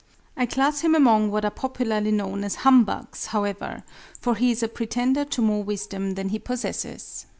I class him among what are popularly known as humbugs, however, for he is a pretender to more wisdom than he possesses.